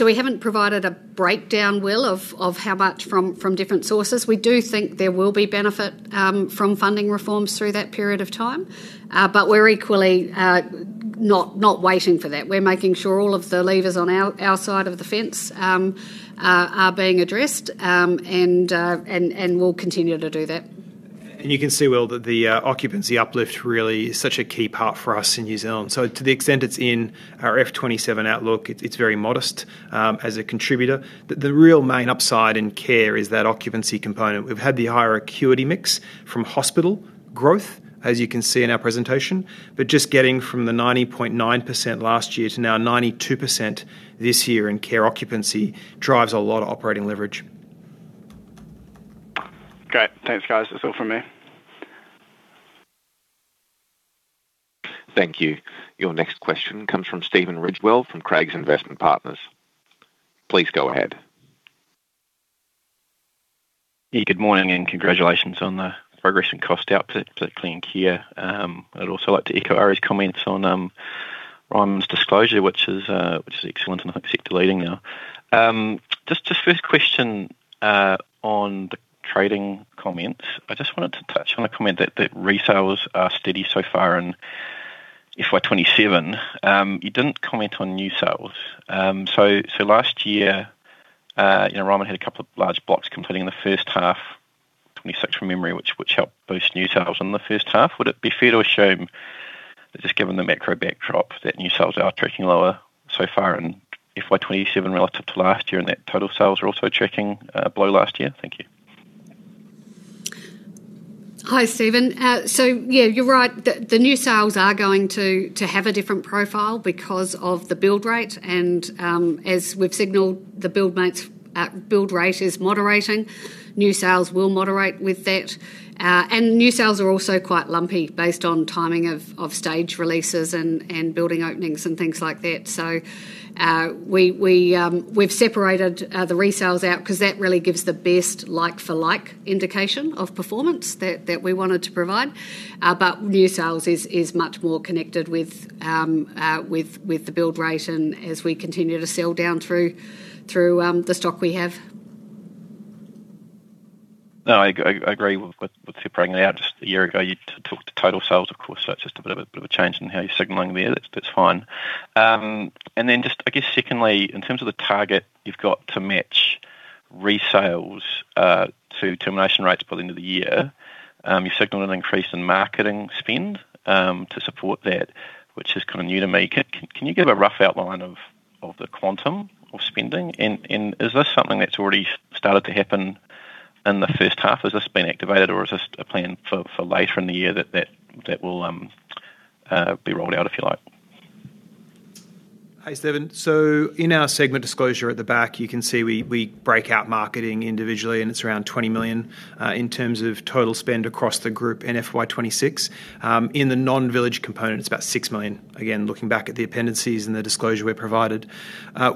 Speaker 2: We haven't provided a breakdown, Will, of how much from different sources. We do think there will be benefit from funding reforms through that period of time. We're equally not waiting for that. We're making sure all of the levers on our side of the fence are being addressed, and we'll continue to do that.
Speaker 3: You can see, Will, that the occupancy uplift really is such a key part for us in New Zealand. To the extent it's in our FY 2027 outlook, it's very modest as a contributor. The real main upside in care is that occupancy component. We've had the higher acuity mix from hospital growth, as you can see in our presentation. Just getting from the 90.9% last year to now 92% this year in care occupancy drives a lot of operating leverage.
Speaker 5: Great. Thanks, guys. That's all from me.
Speaker 1: Thank you. Your next question comes from Stephen Ridgewell from Craigs Investment Partners. Please go ahead.
Speaker 6: Good morning, and congratulations on the progress in cost output, particularly in care. I'd also like to echo Arie's comments on Ryman's disclosure, which is excellent and I think sector-leading now. Just a first question on the trading comments. I just wanted to touch on a comment that resales are steady so far in FY 2027. You didn't comment on new sales. Last year, Ryman had a couple of large blocks completing in the first half, 2026 from memory, which helped boost new sales in the first half. Would it be fair to assume that just given the macro backdrop, that new sales are tracking lower so far in FY 2027 relative to last year, and that total sales are also tracking below last year? Thank you.
Speaker 2: Hi, Stephen. Yeah, you're right. The new sales are going to have a different profile because of the build rate. As we've signaled, the build rate is moderating. New sales will moderate with that. New sales are also quite lumpy based on timing of stage releases and building openings, and things like that. We've separated the resales out because that really gives the best like-for-like indication of performance that we wanted to provide. New sales is much more connected with the build rate and as we continue to sell down through the stock we have.
Speaker 6: No, I agree with you bringing that out. Just a year ago, you talked total sales, of course. Just a bit of a change in how you're signaling there. That's fine. Just, I guess secondly, in terms of the target, you've got to match resales to termination rates building of the year. You signaled an increase in marketing spend to support that, which is kind of new to me. Can you give a rough outline of the quantum of spending? Is this something that's already started to happen in the first half? Has this been activated or is this a plan for later in the year that will be rolled out, if you like?
Speaker 3: Hey, Stephen. In our segment disclosure at the back, you can see we break out marketing individually, and it is around 20 million in terms of total spend across the group in FY 2026. In the non-village component, it is about 6 million. Again, looking back at the appendices and the disclosure we provided.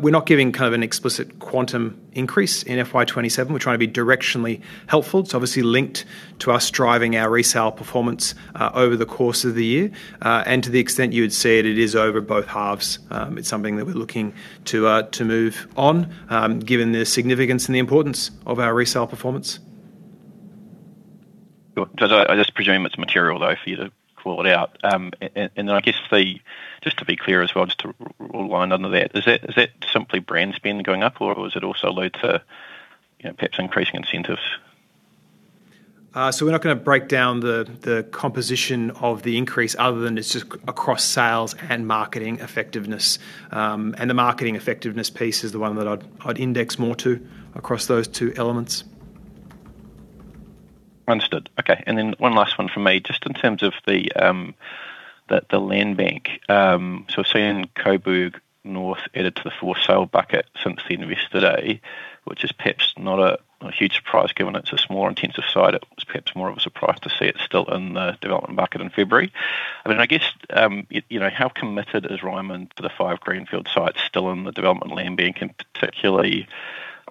Speaker 3: We are not giving kind of an explicit quantum increase in FY 2027. We are trying to be directionally helpful. It is obviously linked to us driving our resale performance over the course of the year. To the extent you would see it is over both halves. It is something that we are looking to move on given the significance and the importance of our resale performance.
Speaker 6: Good. I just presume it's material, though, for you to call it out. I guess just to be clear as well, just to align under that, is that simply brand spend going up or does it also allude to perhaps increasing incentives?
Speaker 3: We're not going to break down the composition of the increase other than it's just across sales and marketing effectiveness. The marketing effectiveness piece is the one that I'd index more to across those two elements.
Speaker 6: Understood. Okay. One last one from me, just in terms of the land bank. I've seen Coburg North added to the for sale bucket since the Investor Day, which is perhaps not a huge surprise given it's a more intensive site. It was perhaps more of a surprise to see it still in the development bucket in February. I mean, I guess how committed is Ryman to the five greenfield sites still in the development land bank, and particularly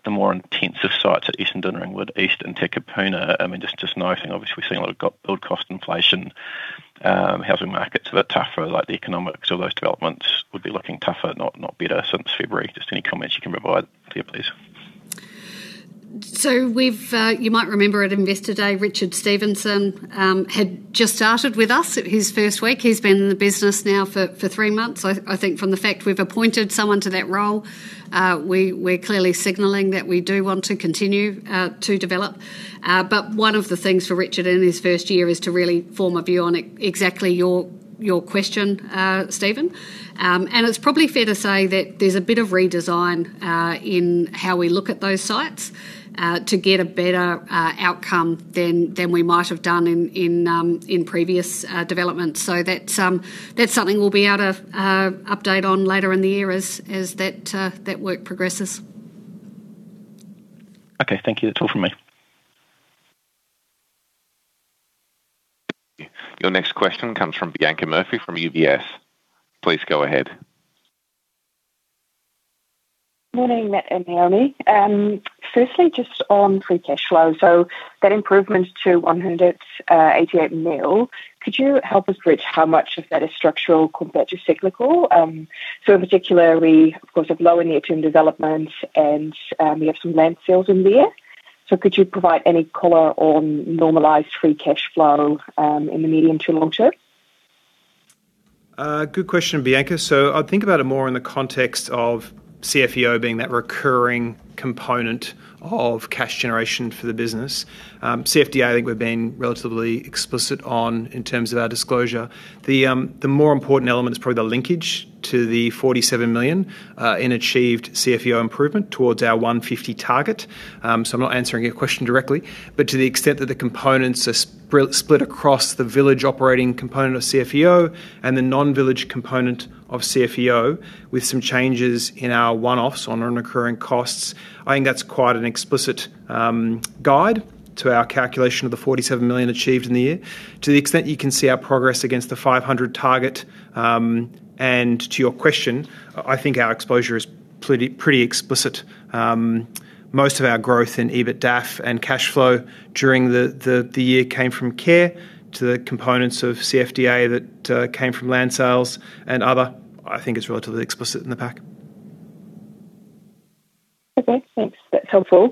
Speaker 6: the more intensive sites at Ringwood East and Takapuna? I mean, just noting obviously we're seeing a lot of build cost inflation. Housing markets a bit tougher, like the economics of those developments would be looking tougher, not better since February. Just any comment you can provide there, please.
Speaker 2: You might remember at Investor Day, Richard Stephenson had just started with us. His first week. He's been in the business now for three months. I think from the fact we've appointed someone to that role, we're clearly signaling that we do want to continue to develop. One of the things for Richard in his first year is to really form a view on exactly your question, Stephen. It's probably fair to say that there's a bit of redesign in how we look at those sites to get a better outcome than we might have done in previous developments. That's something we'll be able to update on later in the year as that work progresses.
Speaker 6: Okay. Thank you. That's all from me.
Speaker 1: Your next question comes from Bianca Murphy from UBS. Please go ahead.
Speaker 7: Morning, Naomi. Firstly, just on free cash flow. That improvement to 188 million. Could you help us bridge how much of that is structural compared to cyclical? Particularly, of course, if low in-year-term development and you have some land sales in there. Could you provide any color on normalized free cash flow in the medium to long term?
Speaker 3: Good question, Bianca. I think about it more in the context of CFEO being that recurring component of cash generation for the business. CFDA, I think we are being relatively explicit on in terms of our disclosure. The more important element is probably the linkage to the 47 million in achieved CFEO improvement towards our 150 million target. I am not answering your question directly, but to the extent that the components are split across the village operating component of CFEO and the non-village component of CFEO, with some changes in our one-offs on non-recurring costs, I think that is quite an explicit guide to our calculation of the 47 million achieved in the year. To the extent you can see our progress against the 500 million target, and to your question, I think our exposure is pretty explicit. Most of our growth in EBITDAF and cash flow during the year came from care to the components of CFDA that came from land sales and other. I think it's relatively explicit in the back.
Speaker 7: Okay, thanks. That's helpful.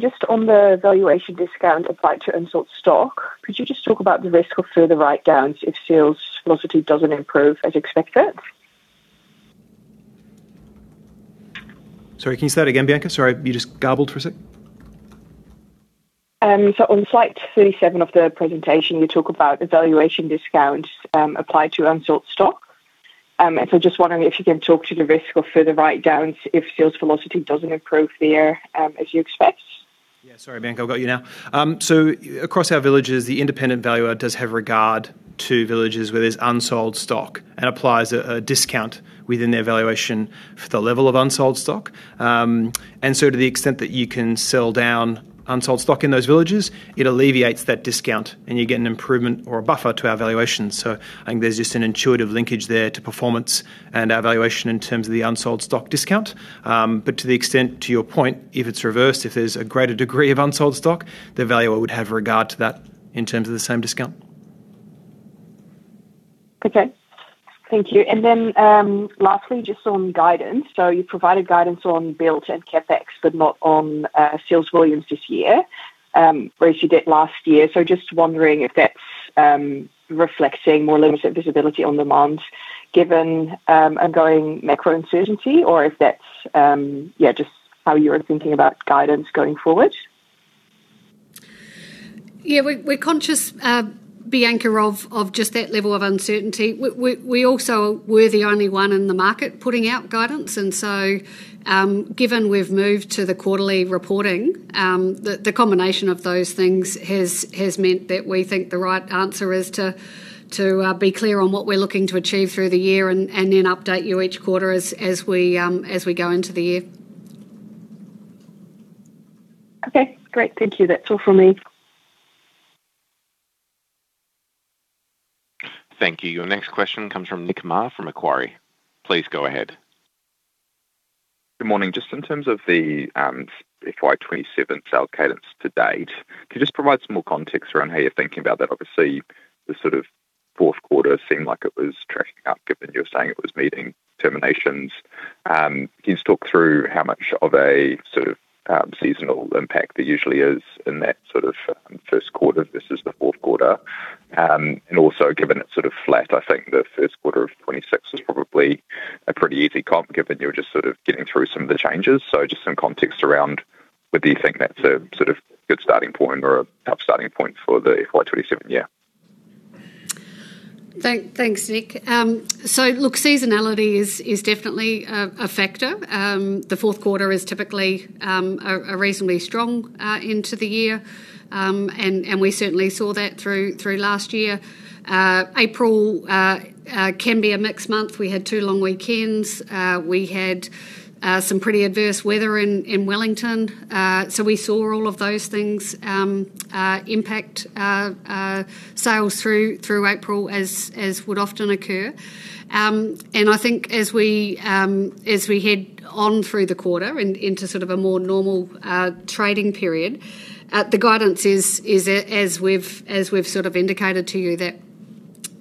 Speaker 7: Just on the valuation discount applied to unsold stock, could you just talk about the risk of further write-downs if sales velocity doesn't improve as expected?
Speaker 3: Sorry, can you say that again, Bianca? Sorry, you just garbled for a sec.
Speaker 7: On slide 37 of the presentation, you talk about the valuation discount applied to unsold stock. I'm just wondering if you can talk to the risk or further write-downs if sales velocity doesn't improve there as you'd expect.
Speaker 3: Yeah. Sorry, Bianca, I've got you now. Across our villages, the independent valuer does have regard to villages where there's unsold stock and applies a discount within their valuation for the level of unsold stock. To the extent that you can sell down unsold stock in those villages, it alleviates that discount, and you get an improvement or a buffer to our valuation. I think there's just an intuitive linkage there to performance and our valuation in terms of the unsold stock discount. To the extent to your point, if it's reversed, if there's a greater degree of unsold stock, the valuer would have regard to that in terms of the same discount.
Speaker 7: Okay. Thank you. Lastly, just on guidance. You provided guidance on build and CapEx, but not on sales volumes this year, whereas you did last year. Just wondering if that's reflecting more limited visibility on demand given ongoing macro uncertainty or if that's just how you're thinking about guidance going forward.
Speaker 2: Yeah, we're conscious, Bianca, of just that level of uncertainty. We're the only one in the market putting out guidance. Given we've moved to the quarterly reporting, the combination of those things has meant that we think the right answer is to be clear on what we're looking to achieve through the year and then update you each quarter as we go into the year.
Speaker 7: Okay, great. Thank you. That's all from me.
Speaker 1: Thank you. Your next question comes from Nick Mar from Macquarie. Please go ahead.
Speaker 8: Good morning. Just in terms of the FY 2027 sale cadence to date, can you just provide some more context around how you're thinking about that? Obviously, the sort of fourth quarter seemed like it was tracking up, given you were saying it was meeting terminations. Can you talk through how much of a sort of seasonal impact there usually is in that sort of first quarter versus the fourth quarter? Also, given it's sort of flat, I think the first quarter of 2026 is probably a pretty easy comp, given you're just sort of getting through some of the changes. Just some context around whether you think that's a sort of good starting point or a tough starting point for the FY 2027 year.
Speaker 2: Thanks, Nick. Look, seasonality is definitely a factor. The fourth quarter is typically a reasonably strong end to the year, and we certainly saw that through last year. April can be a mixed month. We had two long weekends. We had some pretty adverse weather in Wellington. We saw all of those things impact our sales through April as would often occur. I think as we head on through the quarter and into sort of a more normal trading period, the guidance is, as we've indicated to you, that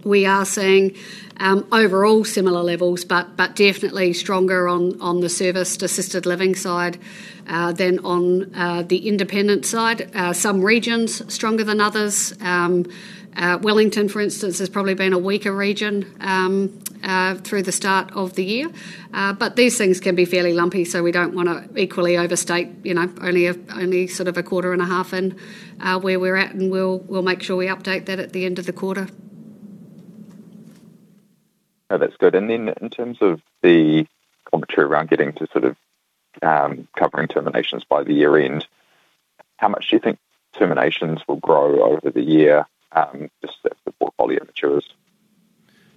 Speaker 2: we are seeing overall similar levels, but definitely stronger on the serviced assisted living side than on the independent side. Some regions stronger than others. Wellington, for instance, has probably been a weaker region through the start of the year. These things can be fairly lumpy, so we don't want to equally overstate only sort of a quarter and a half in where we're at, and we'll make sure we update that at the end of the quarter.
Speaker 8: That's good. In terms of the commentary around getting to sort of covering terminations by the year-end, how much do you think terminations will grow over the year just as the portfolio matures?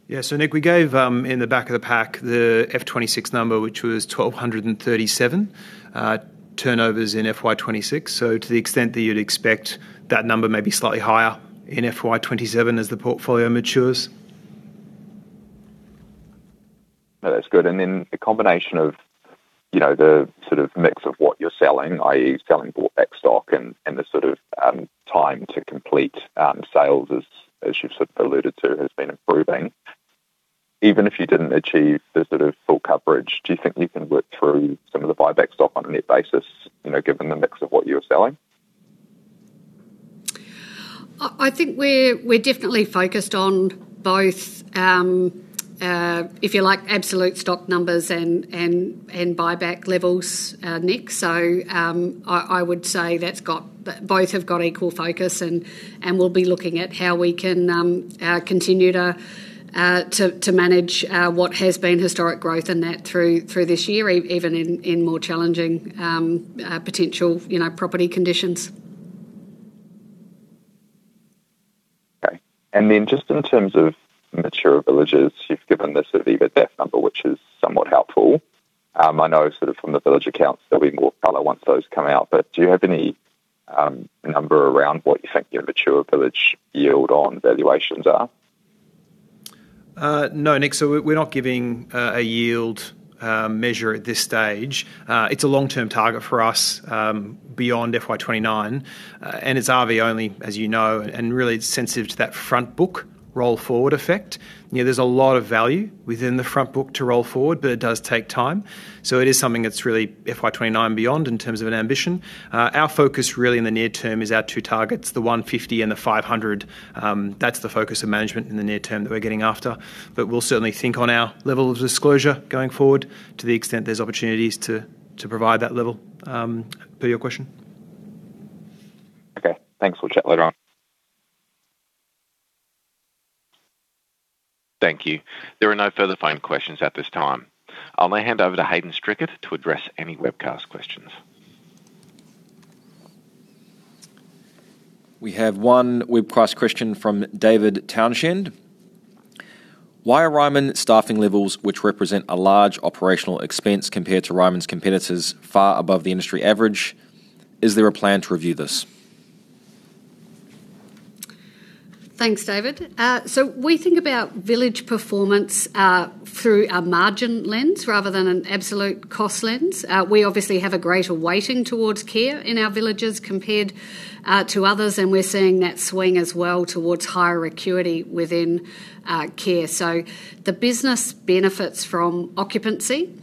Speaker 3: Yeah. Nick, we gave in the back of the pack the FY 2026 number, which was 1,237 turnovers in FY 2026. To the extent that you'd expect, that number may be slightly higher in FY 2027 as the portfolio matures.
Speaker 8: That's good. The combination of the sort of mix of what you're selling, i.e., selling bought back stock and the sort of time to complete sales as you've sort of alluded to, has been improving. Even if you didn't achieve the sort of full coverage, do you think you can work through some of the buyback stock on that basis, given the mix of what you're selling?
Speaker 2: I think we're definitely focused on both, if you like, absolute stock numbers and buyback levels, Nick. I would say both have got equal focus, and we'll be looking at how we can continue to manage what has been historic growth in that through this year, even in more challenging potential property conditions.
Speaker 8: Okay. Just in terms of mature villages, you've given the sort of EBITDA number, which is somewhat helpful. I know sort of some of the village accounts will be more color once those come out. Do you have any number around what you think your mature village yield on valuations are?
Speaker 3: No, Nick. We're not giving a yield measure at this stage. It's a long-term target for us beyond FY 2029. It's RV only, as you know, and really sensitive to that front book roll-forward effect. There's a lot of value within the front book to roll forward, but it does take time. It is something that's really FY 2029 beyond in terms of an ambition. Our focus really in the near term is our two targets, the 150 million and the 500 million. That's the focus of management in the near term that we're getting after. We'll certainly think on our level of disclosure going forward to the extent there's opportunities to provide that level. For your question.
Speaker 8: Okay, thanks. We'll chat later on.
Speaker 1: Thank you. There are no further phone questions at this time. I'll now hand over to Hayden Strickett to address any webcast questions.
Speaker 9: We have one webcast question from David Townshend. Why are Ryman staffing levels, which represent a large operational expense compared to Ryman's competitors, far above the industry average? Is there a plan to review this?
Speaker 2: Thanks, David. We think about village performance through a margin lens rather than an absolute cost lens. We obviously have a greater weighting towards care in our villages compared to others, and we're seeing that swing as well towards higher acuity within care. The business benefits from occupancy.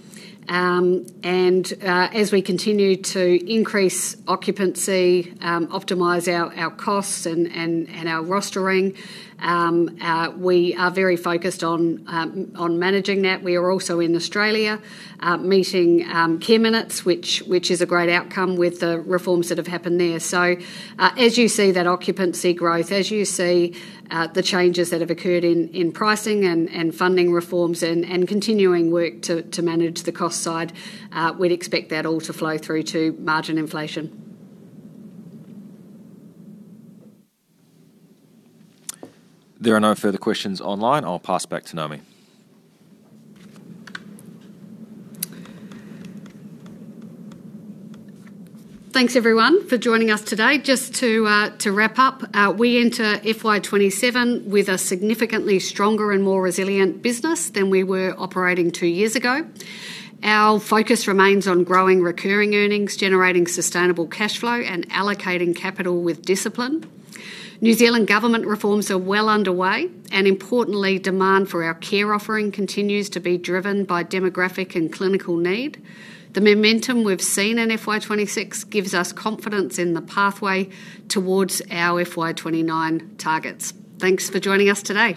Speaker 2: As we continue to increase occupancy, optimize our costs, and our rostering, we are very focused on managing that. We are also in Australia meeting care minutes, which is a great outcome with the reforms that have happened there. As you see that occupancy growth, as you see the changes that have occurred in pricing and funding reforms and continuing work to manage the cost side, we'd expect that all to flow through to margin inflation.
Speaker 9: There are no further questions online. I'll pass back to Naomi.
Speaker 2: Thanks, everyone, for joining us today. Just to wrap up, we enter FY 2027 with a significantly stronger and more resilient business than we were operating two years ago. Our focus remains on growing recurring earnings, generating sustainable cash flow, and allocating capital with discipline. New Zealand government reforms are well underway, and importantly, demand for our care offering continues to be driven by demographic and clinical need. The momentum we've seen in FY 2026 gives us confidence in the pathway towards our FY 2029 targets. Thanks for joining us today.